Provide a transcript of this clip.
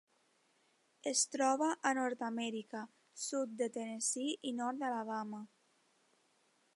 Es troba a Nord-amèrica: sud de Tennessee i nord d'Alabama.